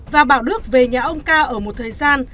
và bảo đức về nhà ông ca ở một thời gian